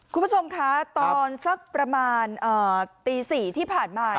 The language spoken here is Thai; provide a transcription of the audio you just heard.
คุณผู้ชมค่ะตอนสักประมาณอ่ะอ่าตีสี่ที่ผ่านมาครับ